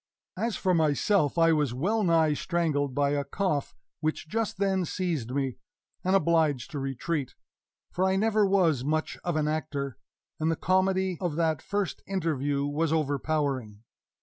As for myself, I was well nigh strangled by a cough which just then seized me, and obliged to retreat for I never was much of an actor, and the comedy of that first interview was overpowering.